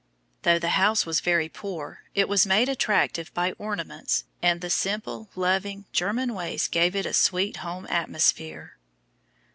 Though the house was very poor, it was made attractive by ornaments, and the simple, loving, German ways gave it a sweet home atmosphere.